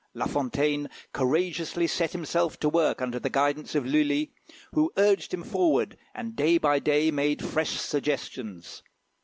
La Fontaine courageously set himself to work under the guidance of Lulli, who urged him forward, and day by day made fresh suggestions.